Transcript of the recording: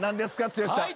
剛さん。